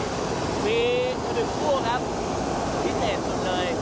มี๑คู่ครับพิเศษสุดเลย